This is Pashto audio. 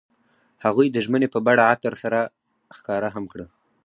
هغوی د ژمنې په بڼه عطر سره ښکاره هم کړه.